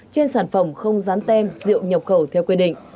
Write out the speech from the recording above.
trên sản phẩm không dán tem rượu nhập khẩu theo quy định